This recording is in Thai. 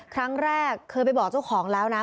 ครั้งแรกเคยไปบอกเจ้าของแล้วนะ